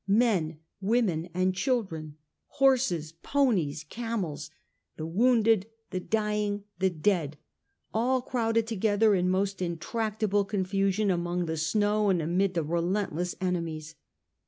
Men, women, and children, horses, ponies, camels, the wounded, the dying, the dead, all crowded together in almost inextricable confusion among the snow and amid the relentless enemies.